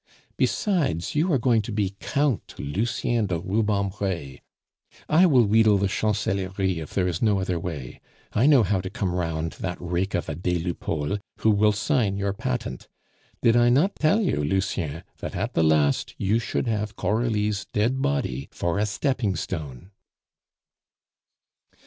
Besides, you are going to be Count Lucien de Rubempre. I will wheedle the Chancellerie if there is no other way. I know how to come round that rake of a des Lupeaulx, who will sign your patent. Did I not tell you, Lucien, that at the last you should have Coralie's dead body for a stepping stone?"